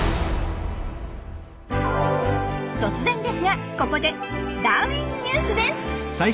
突然ですがここで「ダーウィンＮＥＷＳ」です。